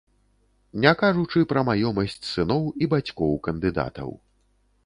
Не кажучы пра маёмасць сыноў і бацькоў кандыдатаў.